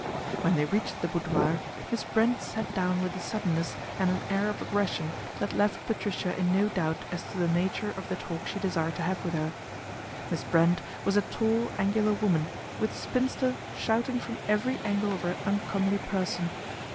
When they reached the " boudoir," Miss Brent sat down with a suddenness and an air of aggression that left Patricia in no doubt as to the nature of the talk she desired to have with her. Miss Brent was a tall, angular woman, with spinster shouting from every angle of her un comely person.